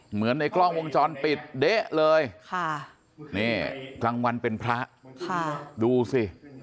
เหมือนในกล้องวงจรปิดเด๊ะเลยค่ะนี่กลางวันเป็นพระค่ะดูสิ